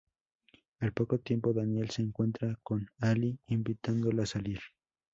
Al poco tiempo Daniel se encuentra con Ali, invitándola a salir.